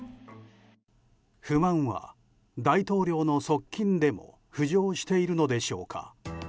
不満は大統領の側近でも浮上しているのでしょうか。